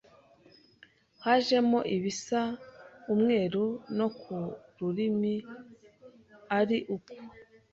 hajemo ibisa umweru no ku rurimi ari uko,